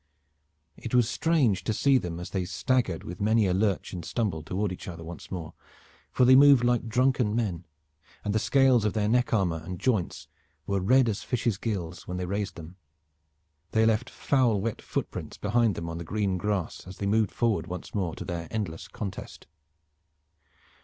It was strange to see them as they staggered with many a lurch and stumble toward each other once again, for they moved like drunken men, and the scales of their neck armor and joints were as red as fishes' gills when they raised them They left foul wet footprints behind them on the green grass as they moved forward once more to their endless contest.